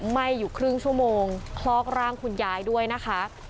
ไหม้อยู่ครึ่งชั่วโมงคลอกร่างคุณยายด้วยนะคะ